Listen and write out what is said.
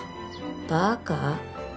バカ？